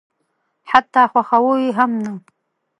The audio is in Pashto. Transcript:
حتی خواښاوه یې هم نه.